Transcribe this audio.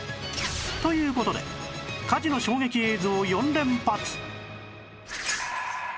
という事で火事の衝撃映像４連発